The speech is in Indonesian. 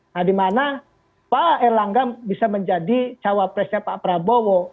nah di mana pak erlangga bisa menjadi cawapresnya pak prabowo